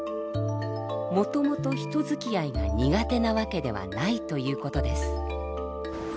もともと人づきあいが苦手なわけではないということです。